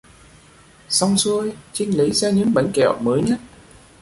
Xong xuôi Trinh lấy ra những bánh kẹo mới nhất